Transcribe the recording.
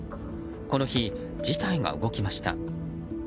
この日、事態が動きました。